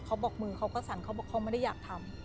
เขาบอกมือเขาก็สั่นเขาบอกเขาไม่ได้อยากทำ